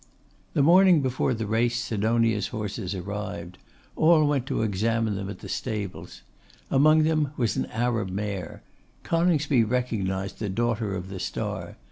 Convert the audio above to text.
The morning before the race Sidonia's horses arrived. All went to examine them at the stables. Among them was an Arab mare. Coningsby recognised the Daughter of the Star.